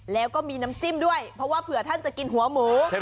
แล้วก็มีน้ำจิ้มด้วยเพราะว่าเผื่อท่านจะกินหัวหมู